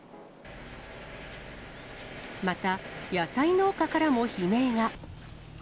また、野菜農家からも悲鳴が。